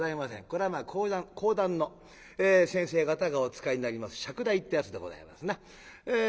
これは講談の先生方がお使いになります釈台ってやつでございますな。